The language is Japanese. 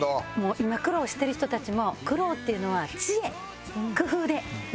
今苦労してる人たちも苦労っていうのは知恵工夫で乗り越えていくもの。